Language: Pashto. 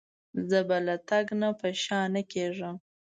زه به له تګ نه په شا نه کېږم.